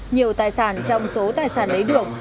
nhiều tài sản trong số tài sản lấy được